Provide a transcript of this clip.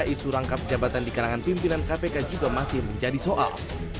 isu rangkap jabatan di kalangan pimpinan kpk juga masih menjadi soal